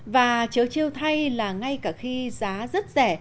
và chớ treo thay là ngay cả khi giá rất rẻ